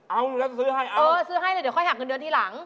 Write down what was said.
เอาแล้วซื้อให้เอาเออซื้อให้เลยเดี๋ยวค่อยหักเงินเดือนทีหลัง